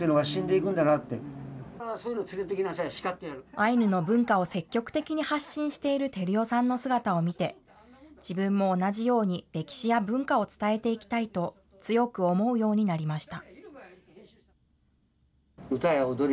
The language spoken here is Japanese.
アイヌの文化を積極的に発信している照代さんの姿を見て、自分も同じように歴史や文化を伝えていきたいと、強く思うようになりました。